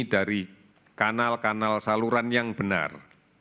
dari kanal kanal saluran yang benar